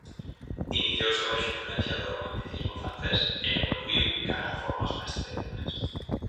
Iniciouse baixo a influencia do Romanticismo francés e evoluíu cara a formas máis tradicionais.